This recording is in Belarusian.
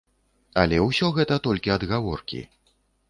Але ўсё гэта толькі адгаворкі.